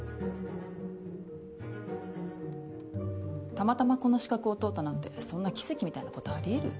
たまたまこの死角を通ったなんてそんな奇跡みたいなことあり得る？